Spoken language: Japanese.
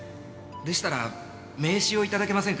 でしたら名刺を頂けませんか？